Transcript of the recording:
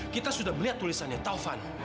kita sudah melihat tulisannya taufan